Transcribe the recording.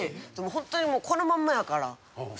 ホントにこのまんまやから。